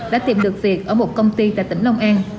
đã tìm được việc ở một công ty tại tỉnh long an